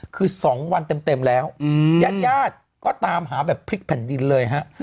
คือ๒วันเต็มแล้วยาดก็ตามหาแบบพลิกแผ่นดินเลยฮะ